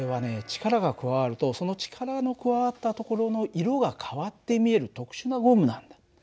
力が加わるとその力の加わったところの色が変わって見える特殊なゴムなんだ。